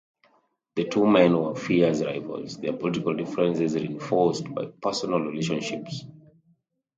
The two men were fierce rivals, their political differences reinforced by personal relationships.